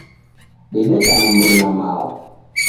Dedeka na mruna mao